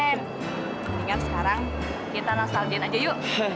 mendingan sekarang kita nostalgia in aja yuk